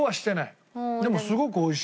でもすごくおいしい。